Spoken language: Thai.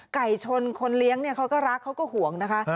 ไก่ชนคนเลี้ยงเขาก็รักเขาก็ห่วงนะคะ